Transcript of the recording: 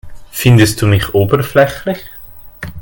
Findest du mich oberflächlich?